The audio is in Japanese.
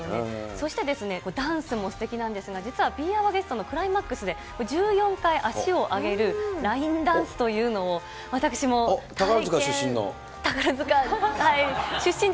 そして、ダンスもすてきなんですが、実はビーアワゲストのクライマックスで、１４回足を上げるラインダンスというのを、宝塚出身の。